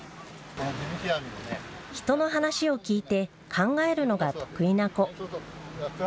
人の話を聞いて考えるのが得意な子。